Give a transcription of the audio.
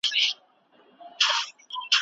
چي باد مي ستا له لاري څخه پلونه تښتوي